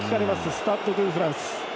スタッド・ド・フランス。